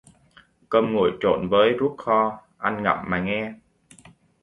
Cơm nguội trộn với ruốc kho, ăn ngậm mà nghe